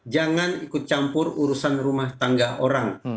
jangan ikut campur urusan rumah tangga orang